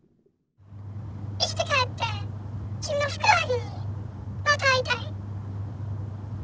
生きて帰って君のふくらはぎにまた会いたい。